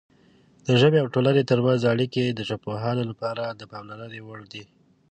د ژبې او ټولنې ترمنځ اړیکې د ژبپوهانو لپاره د پاملرنې وړ دي.